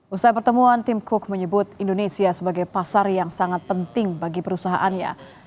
usai pertemuan tim cook menyebut indonesia sebagai pasar yang sangat penting bagi perusahaannya